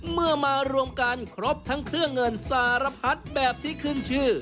เมื่อมาร่วมกันครบทั้งเครื่องเงินสารพรรดิแบบที่คืนชื่อ